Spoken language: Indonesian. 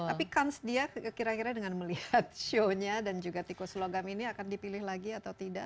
tapi kans dia kira kira dengan melihat shownya dan juga tikusologam ini akan dipilih lagi atau tidak